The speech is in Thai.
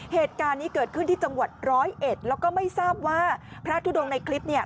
เหตุการณ์นี้เกิดขึ้นที่จังหวัดร้อยเอ็ดแล้วก็ไม่ทราบว่าพระทุดงในคลิปเนี่ย